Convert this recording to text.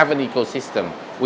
và để có một cơ hội